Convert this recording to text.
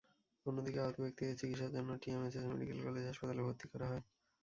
অন্যদিকে, আহত ব্যক্তিদের চিকিৎসার জন্য টিএমএসএস মেডিকেল কলেজ হাসপাতালে ভর্তি করা হয়।